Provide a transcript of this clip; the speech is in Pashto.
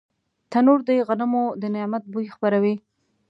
تنور د غنمو د نعمت بوی خپروي